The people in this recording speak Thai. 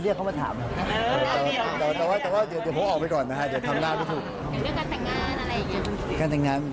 โรแมนติกมากจริง